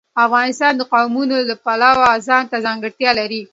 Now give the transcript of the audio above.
افغانستان د قومونه د پلوه ځانته ځانګړتیا لري.